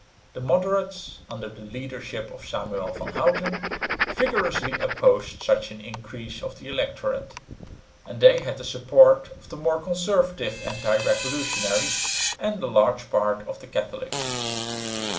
The moderates under the leadership of Samuel van Houten vigorously opposed such an increase of the electorate; and they had the support of the more conservative anti revolutionaries and a large part of the Catholics.